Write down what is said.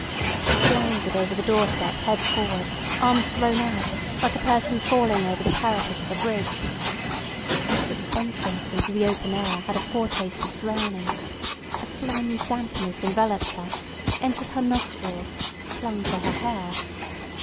She floundered over the doorstep head forward, arms thrown out, like a person falling over the parapet of a bridge. This entrance into the open air had a foretaste of drowning; a slimy dampness enveloped her, entered her nostrils, clung to her hair.